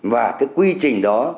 và cái quy trình đó